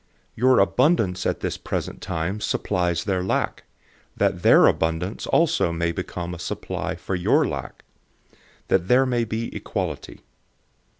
Your abundance at this present time supplies their lack, that their abundance also may become a supply for your lack; that there may be equality.